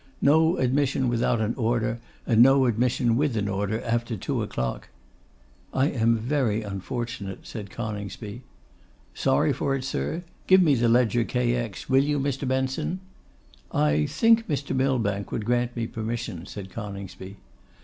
'No admission without an order, and no admission with an order after two o'clock.' 'I am very unfortunate,' said Coningsby. 'Sorry for it, sir. Give me ledger K. X., will you, Mr. Benson?' 'I think Mr. Millbank would grant me permission,' said Coningsby.